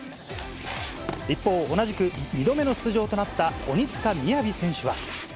一方、同じく２度目の出場となった鬼塚雅選手は。